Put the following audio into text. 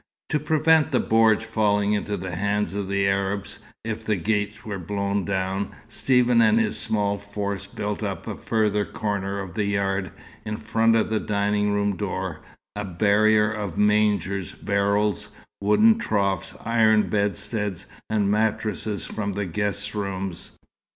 To prevent the bordj falling into the hands of the Arabs if the gate were blown down, Stephen and his small force built up at the further corner of the yard, in front of the dining room door, a barrier of mangers, barrels, wooden troughs, iron bedsteads and mattresses from the guest rooms.